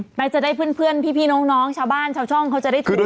ซักวันจะได้เพื่อนพี่น้องชาวบ้านเค้าช่องเขาจะได้ถูกปรากฏด้วย